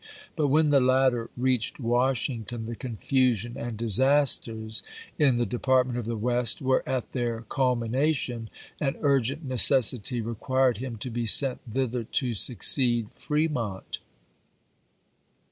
But when the latter reached Washington, the confusion and disasters in the Department of the West were at their culmination, and urgent necessity required him to be sent thither "mk*?' to succeed Fremont.